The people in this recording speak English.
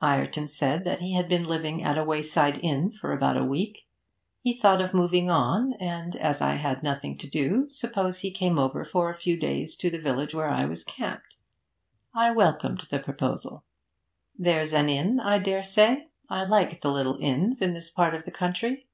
Ireton said that he had been living at a wayside inn for about a week; he thought of moving on, and, as I had nothing to do, suppose he came over for a few days to the village where I was camped? I welcomed the proposal. 'There's an inn, I dare say? I like the little inns in this part of the country.